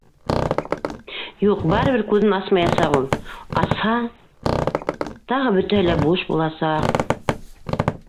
Юҡ, барыбер күҙен асмаясаҡ ул, асһа... тағы бөтәһе лә буш буласаҡ...